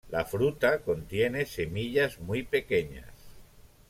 La fruta contiene semillas muy pequeñas.